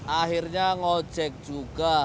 akhirnya ngojek juga